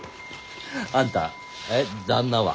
あんたえっ旦那は？